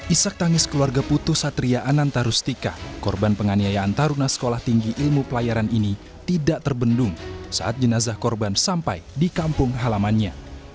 isak tangis keluarga putu satria ananta rustika korban penganiayaan taruna sekolah tinggi ilmu pelayaran ini tidak terbendung saat jenazah korban sampai di kampung halamannya